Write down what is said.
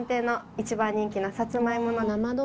一番人気の。